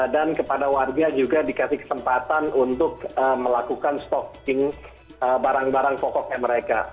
dan kepada warga juga dikasih kesempatan untuk melakukan stocking barang barang pokoknya mereka